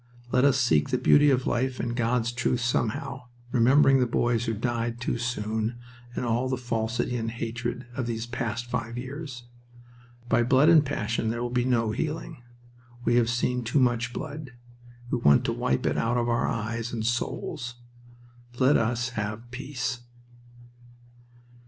Let us seek the beauty of life and God's truth somehow, remembering the boys who died too soon, and all the falsity and hatred of these past five years. By blood and passion there will be no healing. We have seen too much blood. We want to wipe it out of our eyes and souls. Let us have Peace.